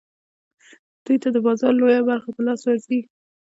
دوی ته د بازار لویه برخه په لاس ورځي